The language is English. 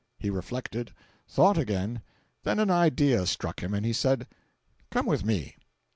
He reflected. Thought again. Then an idea struck him, and he said: "Come with me."